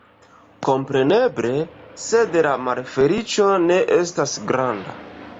Kompreneble, sed la malfeliĉo ne estas granda.